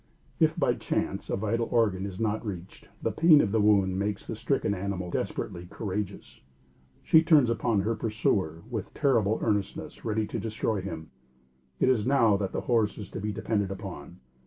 If, by chance, a vital organ is not reached, the pain of the wound makes the stricken animal desperately courageous. She turns upon her pursuer with terrible earnestness ready to destroy him. It is now that the horse is to be depended upon.